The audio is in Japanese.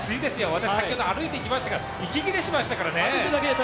私先ほど歩いてきましたけれども、息切れしましたからね。